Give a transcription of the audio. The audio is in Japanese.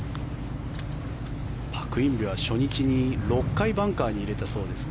パク・インビは初日に６回バンカーに入れたそうです。